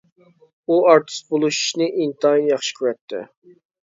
ئۇ ئارتىس بولۇشنى ئىنتايىن ياخشى كۆرەتتى.